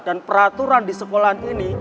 dan peraturan di sekolah ini